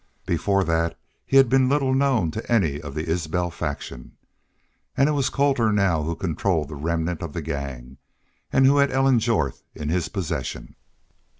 Before that he had been little known to any of the Isbel faction. And it was Colter now who controlled the remnant of the gang and who had Ellen Jorth in his possession.